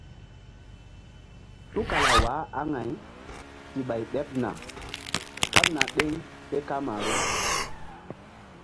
Tukala waah aŋay si ɓay ɓeɓ na kaɓna ɗeŋ ke kamaru.